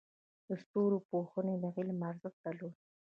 د ستورپوهنې علم ارزښت درلود